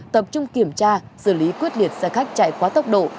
tập trung kiểm tra xử lý quyết liệt xe khách chạy quá tốc độ